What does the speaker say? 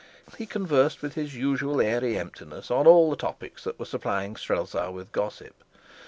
He conversed with his usual airy emptiness on all the topics that were supplying Strelsau with gossip.